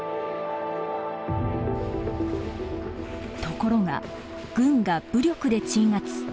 ところが軍が武力で鎮圧。